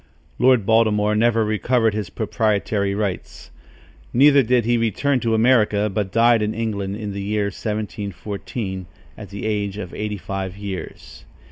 Lord Baltimore never recovered his proprietary rights. Neither did he return to America, but died in England in the year 1714, at the age of eighty five years.